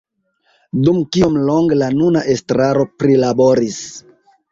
Dum kiom longe la nuna estraro prilaboris